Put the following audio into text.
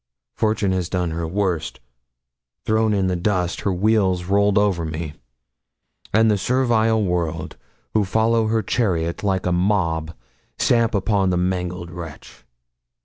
Fortune has done her worst thrown in the dust, her wheels rolled over me; and the servile world, who follow her chariot like a mob, stamp upon the mangled wretch.